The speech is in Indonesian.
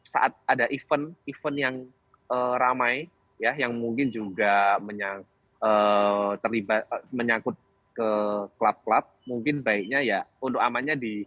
saat ada event event yang ramai ya yang mungkin juga terlibat menyangkut ke klub klub mungkin baiknya ya untuk amannya di